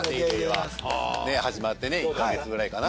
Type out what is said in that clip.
始まって１か月ぐらいかな。